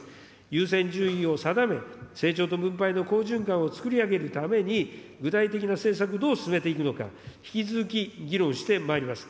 優先順位を定め、成長と分配の好循環をつくり上げるために、具体的な政策をどう進めていくのか、引き続き議論してまいります。